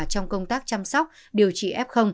trong công tác chăm sóc điều trị f